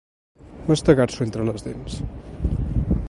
Mastegar-s'ho entre les dents.